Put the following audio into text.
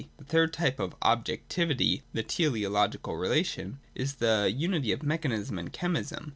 The third type of objectivity, the teleological relation, is the unity of mechanism and chemism.